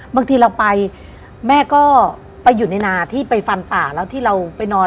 บางทีเราไปแม่ก็ไปอยู่ในนาที่ไปฟันป่าแล้วที่เราไปนอน